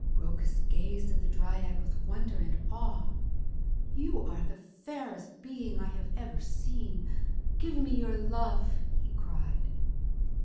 Rhoecus gazed at the dryad with wonder and awe. "You are the fairest being I have ever seen. Give me your love," he cried.